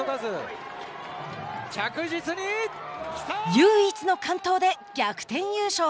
唯一の完登で逆転優勝。